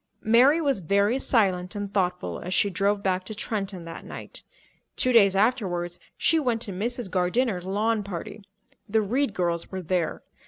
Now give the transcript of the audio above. Mary was very silent and thoughtful as she drove back to Trenton that night. Two days afterwards, she went to Mrs. Gardiner's lawn party. The Reed girls were there.